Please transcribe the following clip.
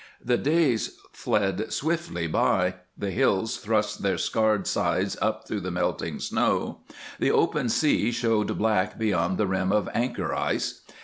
The days fled swiftly by; the hills thrust their scarred sides up through the melting snow; the open sea showed black beyond the rim of anchor ice.